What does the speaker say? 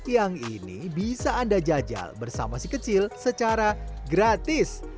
yang ini bisa anda jajal bersama si kecil secara gratis